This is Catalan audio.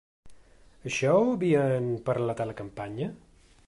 Això ho havien parlat a la campanya?